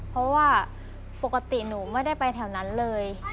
เพราะว่าปกติหนูไม่ได้ไปแถวนั้นเลย